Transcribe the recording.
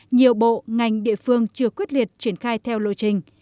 nhiều bộ ngành địa phương chưa quyết liệt triển khai theo lộ trình